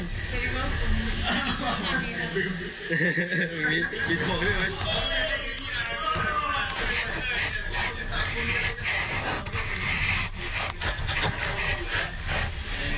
สวัสดีค่ะที่จอมฝันครับ